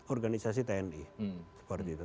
organisasi tni seperti itu